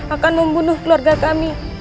akan membunuh keluarga kami